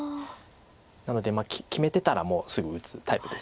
なので決めてたらもうすぐ打つタイプです。